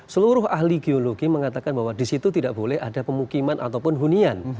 seluruh ahli geologi mengatakan bahwa di situ tidak boleh ada pemukiman ataupun hunian